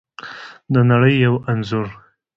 د نړۍ یو انځور